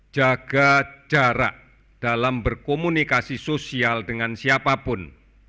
jaga jarak dalam berkomunikasi sosial dengan siapapun